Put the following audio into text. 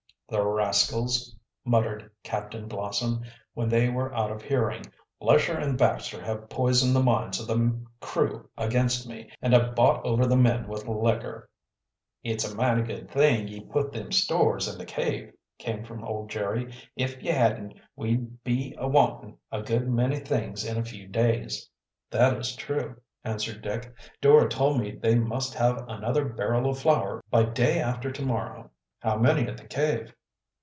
"The rascals!" muttered Captain Blossom, when they were out of hearing. "Lesher and Baxter have poisoned the minds of the crew against me, and have bought over the men with liquor." "It's a mighty good thing ye put them stores in the cave," came from old Jerry. "If ye hadn't we'd be a wantin' a good many things in a few days." "That is true," answered Dick. "Dora told me they must have another barrel of flour by day after to morrow." "How many at the cave?"